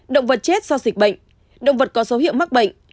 động vật chết do dịch bệnh động vật có dấu hiệu mắc bệnh